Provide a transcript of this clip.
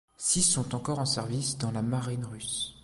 Six sont encore en service dans la marine russe.